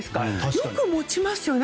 よく持ちますよね